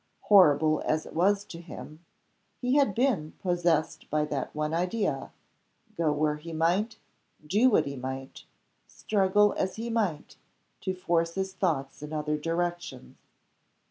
Horrible as it was to him, he had been possessed by that one idea go where he might, do what he might, struggle as he might to force his thoughts in other directions.